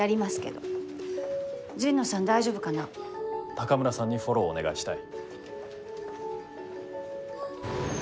高村さんにフォローをお願いしたい。